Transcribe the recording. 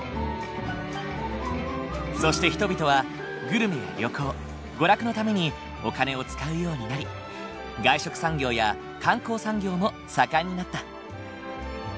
そして人々はグルメや旅行娯楽のためにお金を使うようになり外食産業や観光産業も盛んになった。